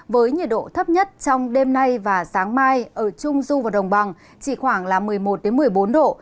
với nhiệt độ thấp nhất trong đêm nay và sáng mai ở trung du và đồng bằng chỉ khoảng một mươi một một mươi bốn độ